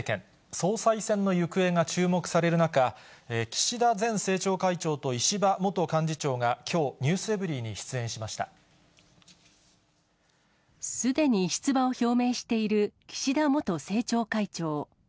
総裁選の行方が注目される中、岸田前政調会長と石破元幹事長がきょう、ｎｅｗｓｅｖｅｒｙ．すでに出馬を表明している岸田元政調会長。